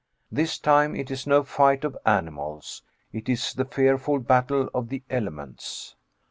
This time it is no fight of animals; it is the fearful battle of the elements.